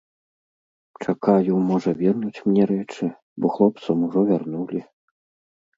Чакаю, можа, вернуць мне рэчы, бо хлопцам ужо вярнулі.